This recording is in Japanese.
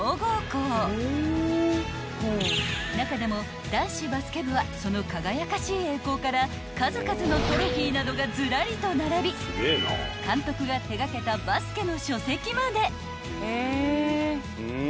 ［中でも男子バスケ部はその輝かしい栄光から数々のトロフィーなどがずらりと並び監督が手掛けたバスケの書籍まで］